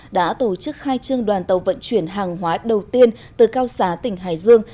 đã tổ chức khai trương đoàn tàu vận chuyển hàng hóa đầu tiên từ cao xá tỉnh hải dương